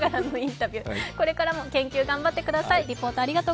これからも研究頑張ってください。